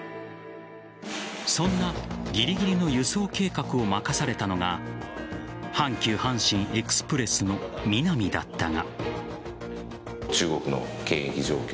そんなぎりぎりの輸送計画を任されたのが阪急阪神エクスプレスの南だったが。